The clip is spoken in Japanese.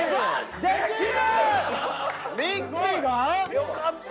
よかった！